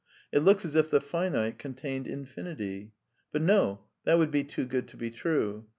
It looks as if the finite contained infinity. But no — that would be too good to be true.